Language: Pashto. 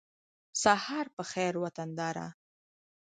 سهار په خېر وطنداره